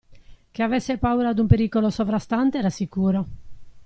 Che avesse paura d'un pericolo sovrastante era sicuro.